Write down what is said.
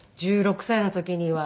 １６歳の時には。